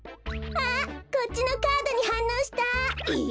こっちのカードにはんのうした。え？